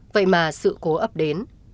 vậy mà sự cố ấp đến